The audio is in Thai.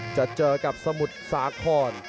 จะเจอกับสมุทรสาคร